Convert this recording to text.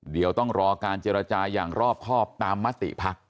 เดี๋ยวต้องรอการเจรจาอย่างรอบครอบตามมติภักดิ์